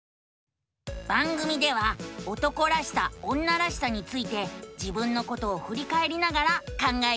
番組では「男らしさ女らしさ」について自分のことをふりかえりながら考えているのさ。